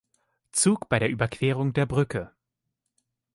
Zug bei der Überquerung der Brücke.